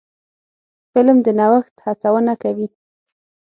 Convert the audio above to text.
فلم د نوښت هڅونه کوي